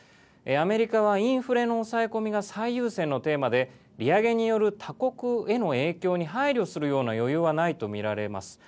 アメリカはインフレの抑え込みが最優先のテーマで利上げによる他国への影響に配慮するような余裕はないと見られます。